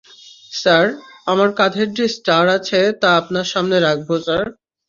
Sir, আমার কাধের যে স্টার আছে, তা আপনার সামনে রাখব, স্যার।